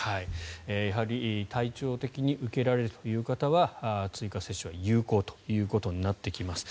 やはり体調的に受けられるという方は追加接種は有効ということになってきます。